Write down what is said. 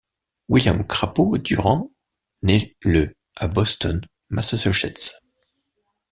William Crapo Durant naît le à Boston, Massachusetts.